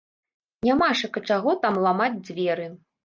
Нямашака чаго там ламаць дзверы.